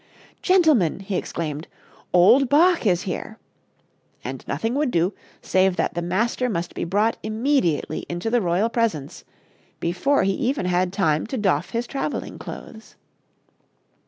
"Gentlemen," he exclaimed, "old Bach is here!" And nothing would do save that the master must be brought immediately into the royal presence, before he even had time to doff his traveling clothes.